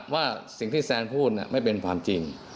ว่าสิ่งที่แซนพูดไม่เป็นความจริง